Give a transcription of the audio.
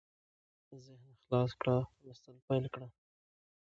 ذهن خلاص کړه لوستل پېل کړه